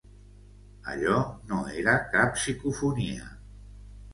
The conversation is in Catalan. Allò no era cap psicofonia.